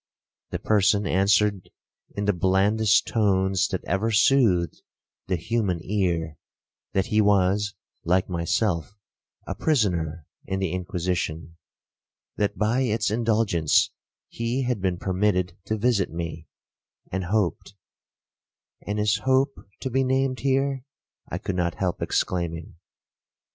The person answered in the blandest tones that ever soothed the human ear, that he was, like myself, a prisoner in the Inquisition;—that, by its indulgence, he had been permitted to visit me, and hoped—'And is hope to be named here?' I could not help exclaiming.